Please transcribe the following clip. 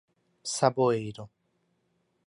Saboeiro